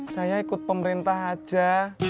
saya ikut pemerintah aja